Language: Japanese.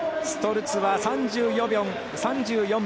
ストルツは３４秒８５。